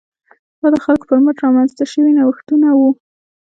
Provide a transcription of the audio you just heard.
دا د خلکو پر مټ رامنځته شوي نوښتونه وو.